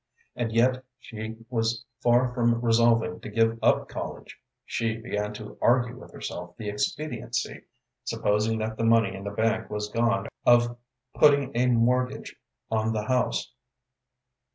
And yet she was far from resolving to give up college. She began to argue with herself the expediancy, supposing that the money in the bank was gone, of putting a mortgage on the house.